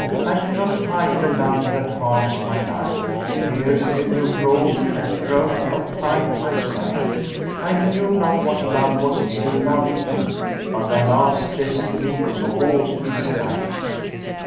I cannot hide the love that harms my life; * Tears ever roll and growth of pine I sight: I knew not what love was ere loving thee; * But Allah's destiny to all is dight."